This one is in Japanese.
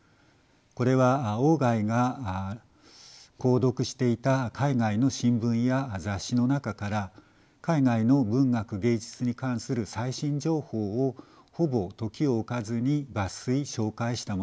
これは外が購読していた海外の新聞や雑誌の中から海外の文学芸術に関する最新情報をほぼ時を置かずに抜粋紹介したものです。